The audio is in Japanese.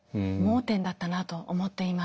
盲点だったなと思っています。